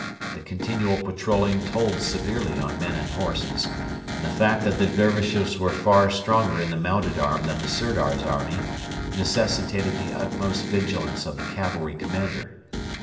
The continual patrolling told severely on men and horses; and the fact that the Dervishes were far stronger in the mounted arm than the Sirdar's army necessitated the utmost vigilance of the cavalry commander.